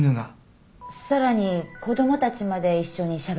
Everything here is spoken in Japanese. さらに子供たちまで一緒にしゃべったと。